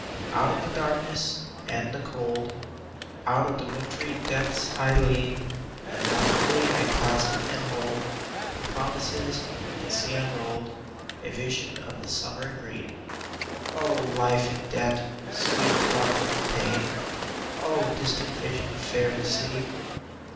Out of the darkness and the cold, Out of the wintry depths I lean, And lovingly I clasp and hold The promises, and see unrolled A vision of the summer green. O, life in death, sweet plucked from pain! O, distant vision fair to see!